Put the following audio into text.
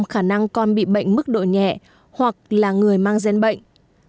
năm mươi khả năng con bị bệnh mức độ nhẹ hoặc là người mang gen bệnh